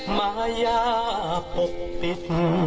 มายาปกปิด